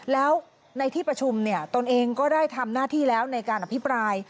แล้วในที่ประชุมเนี่ยตนเองก็ได้ทำหน้าที่แล้วในการอภิปราย